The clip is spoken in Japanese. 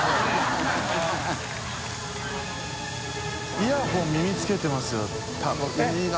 イヤホン耳つけてますよいいな。